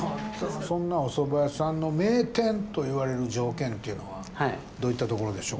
そんなお蕎麦屋さんの名店といわれる条件っていうのはどういったところでしょう？